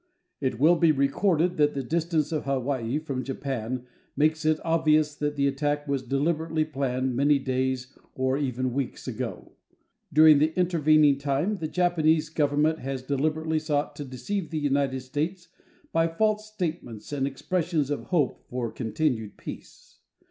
It will be recorded that the distance of Hawaii from Japan makes it obvious that the attack was deliberately planned many days or even weeks ago. During the intervening time, the Japanese government has deliberately sought to deceive the United States by false statements and expressions of hope for continued peace.